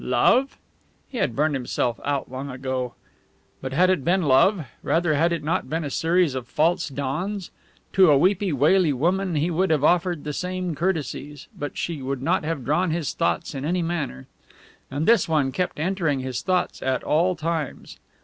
Love? He had burnt himself out long ago. But had it been love? Rather had it not been a series of false dawns? To a weepy waily woman he would have offered the same courtesies, but she would not have drawn his thoughts in any manner. And this one kept entering his thoughts at all times.